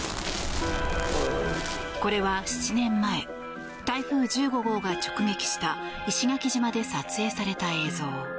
これは７年前台風１５号が直撃した石垣市で撮影された映像。